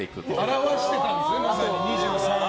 表してたんですね、２３を。